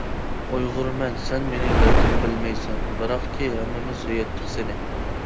ئۇيغۇرمەن سەن مېنى بەلكىم بىلمەيسەن، بىراقكى ھەممىمىز سۆيەتتۇق سېنى.